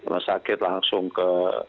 rumah sakit langsung ke